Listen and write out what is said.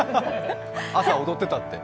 朝踊ってたって。